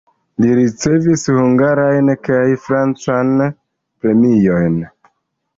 Li ricevis hungarajn kaj francan premiojn.